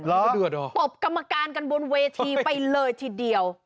เดือดเหรอตบกรรมการกันบนเวทีไปเลยทีเดียว